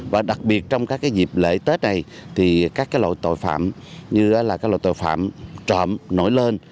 và đặc biệt trong các dịp lễ tết này thì các loại tội phạm như các loại tội phạm trộm nổi lên